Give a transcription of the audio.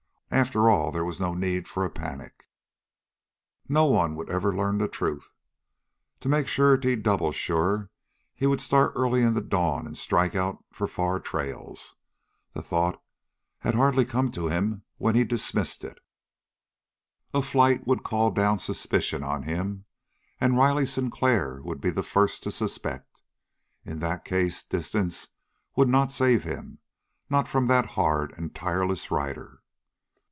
After all there was no need for a panic. No one would ever learn the truth. To make surety doubly sure he would start early in the dawn and strike out for far trails. The thought had hardly come to him when he dismissed it. A flight would call down suspicion on him, and Riley Sinclair would be the first to suspect. In that case distance would not save him, not from that hard and tireless rider.